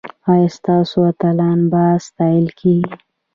ایا ستاسو اتلان به ستایل کیږي؟